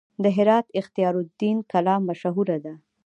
د هرات اختیار الدین کلا مشهوره ده